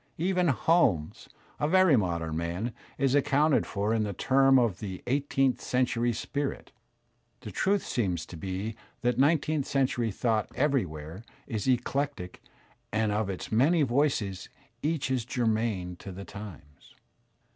Even Holmes, a very modem man, is accounted for in terms of the "eighteenth century spirit." The tmth seems to be that nineteenth century thought everywhere Digitized by Google IRVING Vt is eclectic, and of its many voices each is germane to the times.